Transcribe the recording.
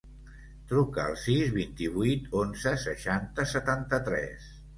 Truca al sis, vint-i-vuit, onze, seixanta, setanta-tres.